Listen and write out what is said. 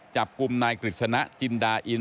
จับกลุ่มนายกฤษณะจินดาอิน